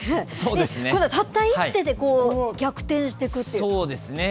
たった一手で逆転していく